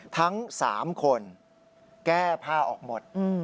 ทั้ง๓คนแก้ผ้าออกหมด